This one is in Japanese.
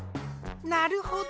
なるほど。